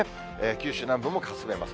九州南部もかすめます。